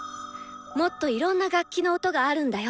もっといろんな楽器の音があるんだよ」